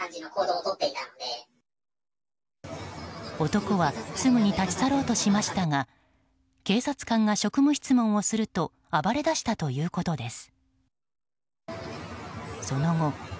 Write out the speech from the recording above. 男はすぐに立ち去ろうとしましたが警察官が職務質問をすると暴れだしたということです。